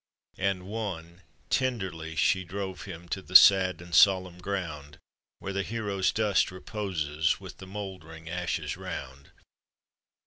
And one — tenderly she drove him To the sad and solemn ground, Where the hero's dust reposes With the moldering ashes round.